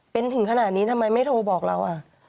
เป็นถึงขนาดนี้ทำไมไม่โทรบอกเรา